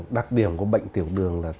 đặc điểm của bệnh tiểu đường là